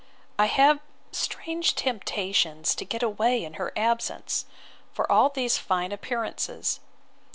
I have strange temptations to get away in her absence, for all these fine appearances.